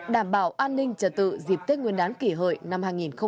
đảm bảo an ninh trật tự dịp tết nguyên đán kỷ hợi năm hai nghìn một mươi chín